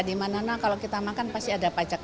dimana mana kalau kita makan pasti ada pajak